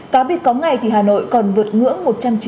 cá biệt có ngày thì hà nội còn vượt ngưỡng